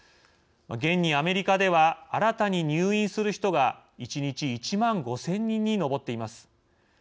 現にアメリカでは新たに入院する人が一日１万５，０００人に上っています。